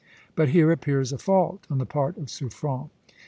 But here appears a fault on the part of Suffren.